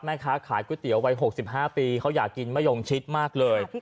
แม่ค้าขายก๋วยเตี๋ยววัย๖๕ปีเขาอยากกินมะยงชิดมากเลย